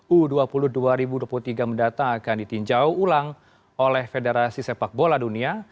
u dua puluh dua ribu dua puluh tiga mendatang akan ditinjau ulang oleh federasi sepak bola dunia